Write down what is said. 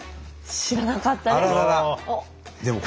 知らなかったです。